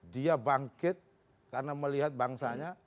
dia bangkit karena melihat bangsanya